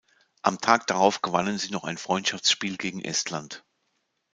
Am Tag darauf gewannen sie noch ein Freundschaftsspiel gegen Estland.